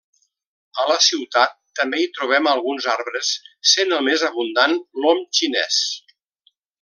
A la ciutat també hi trobem alguns arbres, sent el més abundant l'om xinès.